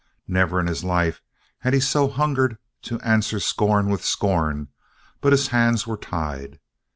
Never in his life had he so hungered to answer scorn with scorn but his hands were tied.